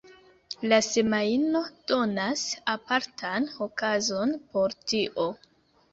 La Semajno donas apartan okazon por tio.